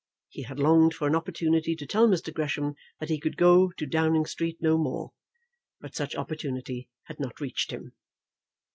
He had longed for an opportunity to tell Mr. Gresham that he could go to Downing Street no more, but such opportunity had not reached him.